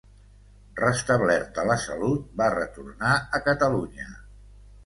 Restablerta la salut, va retornar a Catalunya.